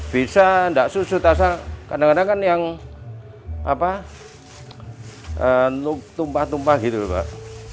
bisa nggak susut asal kadang kadang kan yang tumpah tumpah gitu pak